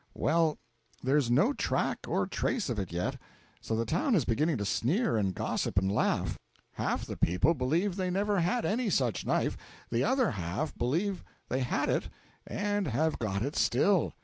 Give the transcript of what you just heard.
Well, there's no track or trace of it yet; so the town is beginning to sneer and gossip and laugh. Half the people believe they never had any such knife, the other half believe they had it and have got it still.